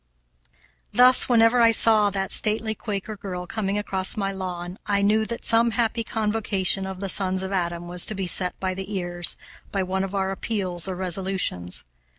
Thus, whenever I saw that stately Quaker girl coming across my lawn, I knew that some happy convocation of the sons of Adam was to be set by the ears, by one of our appeals or resolutions.